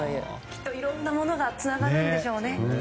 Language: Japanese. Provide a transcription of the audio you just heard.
きっと、いろんなものがつながるんでしょうね。